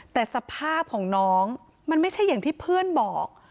แต่สภาพของน้องมันไม่ใช่อย่างที่เพื่อนบอก